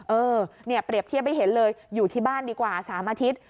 เออเนี่ยเปรียบเทียบให้เห็นเลยอยู่ที่บ้านดีกว่า๓อาทิตย์